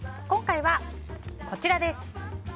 今回はこちらです。